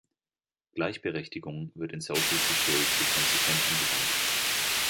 Gleichberechtigung wird in Social Security konsequent angewandt.